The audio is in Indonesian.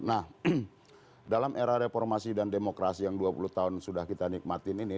nah dalam era reformasi dan demokrasi yang dua puluh tahun sudah kita nikmatin ini